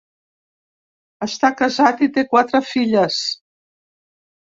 Està casat i té quatre filles.